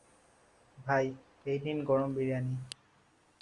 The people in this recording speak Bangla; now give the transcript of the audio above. ভাই, এই নিন গরম বিরিয়ানি।